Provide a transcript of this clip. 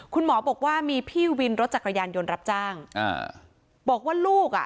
คุณหมอบอกว่ามีพี่วินรถจักรยานยนต์รับจ้างอ่าบอกว่าลูกอ่ะ